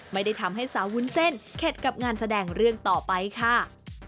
ไม่ได้ทำให้สาววุ้นเส้นเข็ดกับงานแสดงเรื่องต่อไปค่ะ